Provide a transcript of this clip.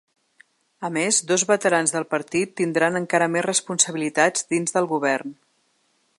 A més, dos veterans del partit tindran encara més responsabilitats dins del govern.